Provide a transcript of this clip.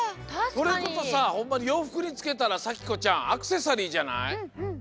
これこそさほんまにようふくにつけたらさきこちゃんアクセサリーじゃない？